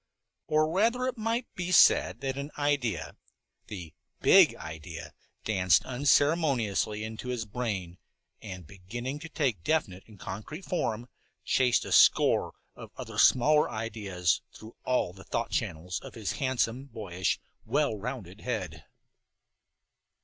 Or rather it might be said that an idea, the big idea, danced unceremoniously into his brain, and, beginning to take definite and concrete form, chased a score of other smaller ideas through all the thought channels of his handsome, boyish, well rounded head.